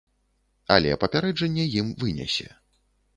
Але папярэджанне ім вынясе.